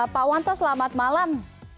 pak wanto selamat malam